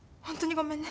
ごめんね。